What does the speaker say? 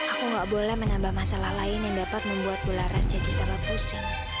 aku gak boleh menambah masalah lain yang dapat membuat bu laras jadi tambah pusing